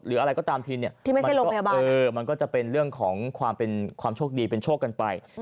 อะไรก็ตามทีเนี่ยมันก็จะเป็นเรื่องของความเป็นความโชคดีเป็นโชคกันไป